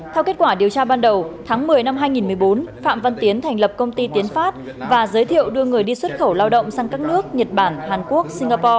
theo kết quả điều tra ban đầu tháng một mươi năm hai nghìn một mươi bốn phạm văn tiến thành lập công ty tiến phát và giới thiệu đưa người đi xuất khẩu lao động sang các nước nhật bản hàn quốc singapore